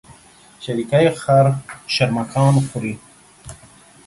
شريکي خر شرمښآن خوري.